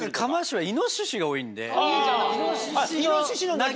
はい。